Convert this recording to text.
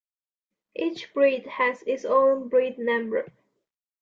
Each breed has its own breed number.